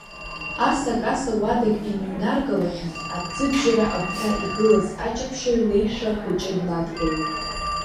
Асакаса уадак иныҩнаргалахьан, аҭӡыбжьара агәҭа игылаз аҷаԥшьаҩ леишәа хәыҷы днадгылеит.